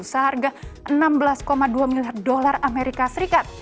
seharga enam belas dua miliar dolar amerika serikat